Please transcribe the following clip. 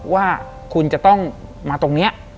ว่าคุณจะต้องมาตรงนี้